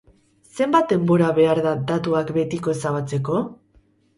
Zenbat denbora behar da datuak betiko ezabatzeko?